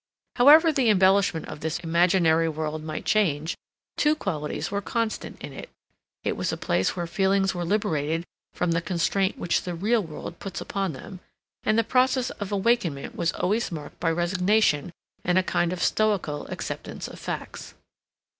However the embellishment of this imaginary world might change, two qualities were constant in it. It was a place where feelings were liberated from the constraint which the real world puts upon them; and the process of awakenment was always marked by resignation and a kind of stoical acceptance of facts.